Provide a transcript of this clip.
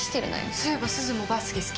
そういえばすずもバスケ好きだよね？